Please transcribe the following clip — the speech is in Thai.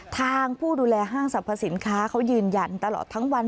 ทางผู้ดูแลห้างสรรพสินค้าเขายืนยันตลอดทั้งวัน